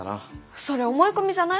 それ思い込みじゃない？